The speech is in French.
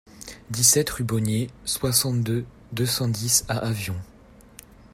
dix-sept rue du Bonnier, soixante-deux, deux cent dix à Avion